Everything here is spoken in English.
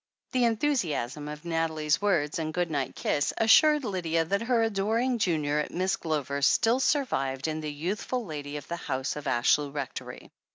The enthusiasm of Nathalie's words, and good night kiss, assured Lydia that her adoring junior at Miss Glover's still survived in the youthful lady of the house of Ashlew Rectory.